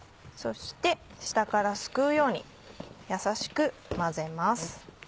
そして下からすくうようにやさしく混ぜます。